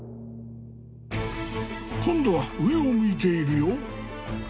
今度は上を向いているよ。